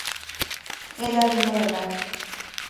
Es la Dingo de Lag.